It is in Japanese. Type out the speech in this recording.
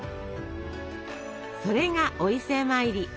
それが「お伊勢参り」。